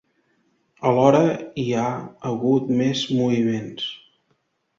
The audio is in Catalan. Alhora, hi ha hagut més moviments.